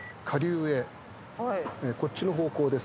こっちの方向ですね。